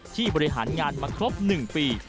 บริหารงานมาครบ๑ปี